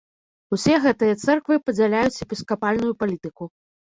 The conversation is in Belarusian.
Усе гэтыя цэрквы падзяляюць епіскапальную палітыку.